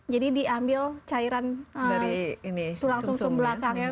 jadi diambil cairan tulang sum sum belakang